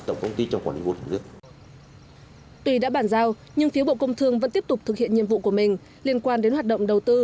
tuy đã bàn giao nhưng phía bộ công thương vẫn tiếp tục thực hiện nhiệm vụ của mình liên quan đến hoạt động đầu tư